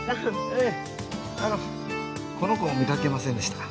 あのこの子見かけませんでしたか？